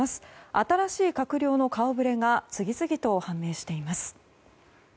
新しい閣僚の顔ぶれが次々と判明しています。